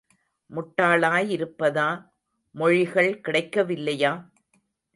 முட்டாளாய் இருப்பதா, மொழிகள் கிடைக்கவில்லையா?